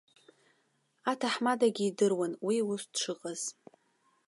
Аҭаҳмадагьы идыруан уи ус дшыҟаз.